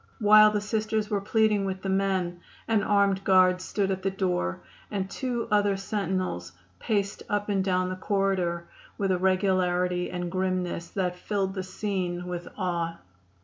While the Sisters were pleading with the men an armed guard stood at the door and two other sentinels paced up and down the corridor with a regularity and grimness that filled the scene with awe.